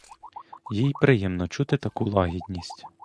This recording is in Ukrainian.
Їй приємно чути таку лагідність.